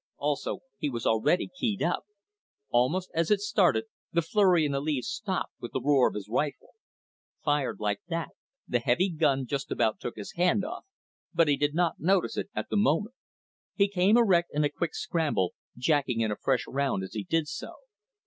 Also, he was already keyed up. Almost as it started, the flurry in the leaves stopped with the roar of his rifle. Fired like that, the heavy gun just about took his hand off, but he did not notice it at the moment. He came erect in a quick scramble, jacking in a fresh round as he did so.